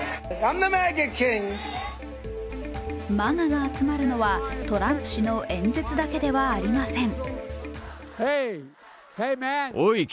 ＭＡＧＡが集まるのは、トランプ氏の演説だけではありません。